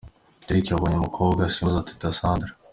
Dereck yabonye umukobwa asimbuza Teta Sandra.